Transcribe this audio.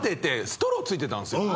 ストローついてたんすよ。